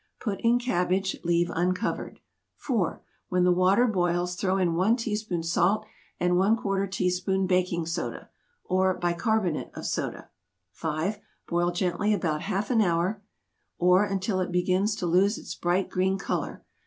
Put in cabbage. Leave uncovered. 4. When the water boils, throw in 1 teaspoon salt and ¼ teaspoon baking soda (or bicarbonate of soda). 5. Boil gently about half hour, or until it begins to lose its bright green color.